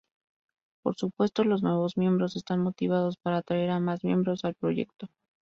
Por supuesto, los nuevos miembros están motivados para atraer a más miembros al proyecto.